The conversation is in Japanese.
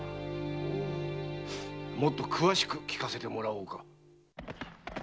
ほうもっと詳しく聞かせてもらおうか。